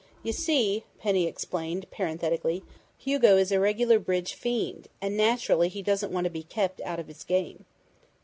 You see," Penny explained parenthetically, "Hugo is a regular bridge fiend, and naturally he doesn't want to be kept out of his game."